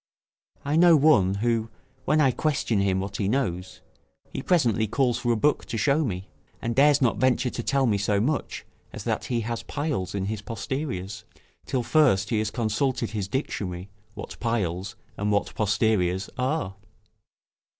I know one, who, when I question him what he knows, he presently calls for a book to shew me, and dares not venture to tell me so much, as that he has piles in his posteriors, till first he has consulted his dictionary, what piles and what posteriors are.